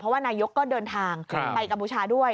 ว่านายกก็เดินทางไปกัมพูชาด้วย